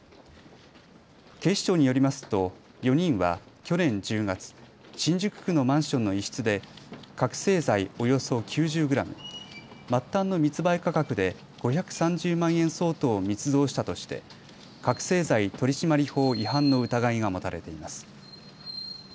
警視庁によりますと４人は去年１０月、新宿区のマンションの一室で覚醒剤およそ９０グラム末端の密売価格で５３０万円相当を密造したとして覚醒剤取締法違反の疑いが持たれています。